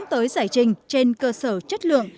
tới giải trình trên cơ sở chất lượng